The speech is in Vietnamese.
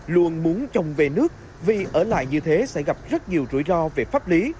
luôn muốn chồng về nước vì ở lại như thế sẽ gặp rất nhiều rủi ro về pháp lý